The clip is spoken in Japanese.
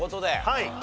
はい。